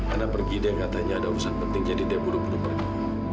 ana pergi deh katanya ada urusan penting jadi dia buruk buruk pergi